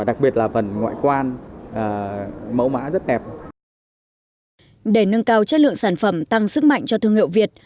để nâng cao chất lượng sản phẩm tăng sức mạnh cho thương hiệu việt